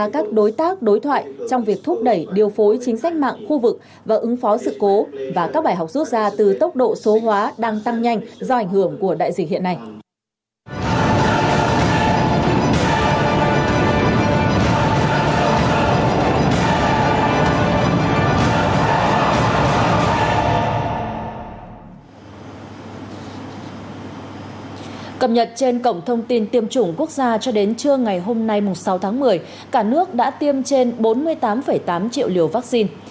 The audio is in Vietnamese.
cảm nhận trên cổng thông tin tiêm chủng quốc gia cho đến trưa ngày hôm nay sáu tháng một mươi cả nước đã tiêm trên bốn mươi tám tám triệu liều vắc xin